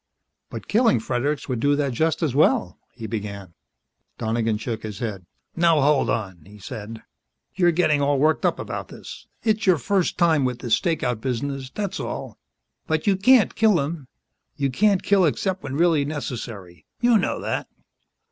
"But killing Fredericks would do that just as well " he began. Donegan shook his head. "Now, hold on," he said. "You're getting all worked up about this. It's your first time with this stakeout business, that's all. But you can't kill him. You can't kill except when really necessary. You know that."